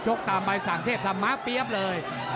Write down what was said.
ตามใบสั่งเทพธรรมะเปี๊ยบเลย